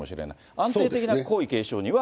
安定的な皇位継承には。